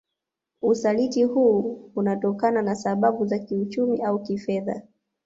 Usaliti huu hunatokana na sababu za kiuchumi au kifedha